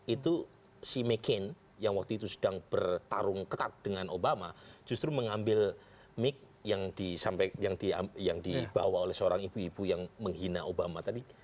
itu si mccaine yang waktu itu sedang bertarung ketat dengan obama justru mengambil mic yang dibawa oleh seorang ibu ibu yang menghina obama tadi